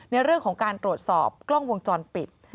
ในเรื่องของการตรวจสอบกล้องวงจรปิด